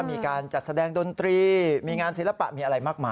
มีการจัดแสดงดนตรีมีงานศิลปะมีอะไรมากมาย